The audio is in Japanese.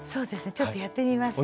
ちょっとやってみますね。